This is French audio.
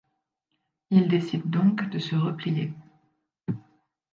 Il décide donc de se replier.